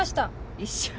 一瞬？